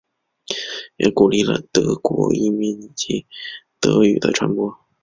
也鼓励了德国移民以及德语的传播。